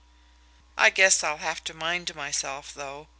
I guess I'll have to mind myself, though.